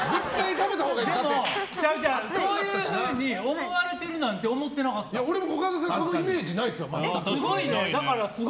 でも、そういうふうに思われてるなんて俺もコカドさんそのイメージないです。